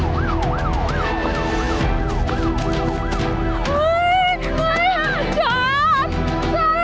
หลบเร็วหลบหลบ